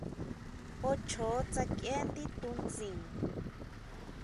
Jó chjoó sakieʼe ndí tunsin.